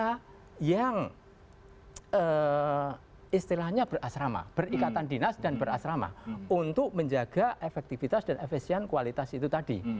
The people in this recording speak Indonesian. ada yang istilahnya berasrama berikatan dinas dan berasrama untuk menjaga efektivitas dan efisien kualitas itu tadi